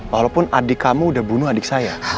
walaupun adik kamu udah bunuh adik saya